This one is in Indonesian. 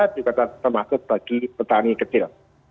juga termasuk bagi petani kecil